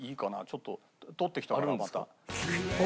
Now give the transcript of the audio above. ちょっと撮ってきたからまた。